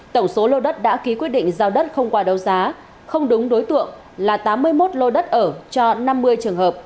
tổng số lô đất đã ký quyết định giao đất không qua đấu giá không đúng đối tượng là tám mươi một lô đất ở cho năm mươi trường hợp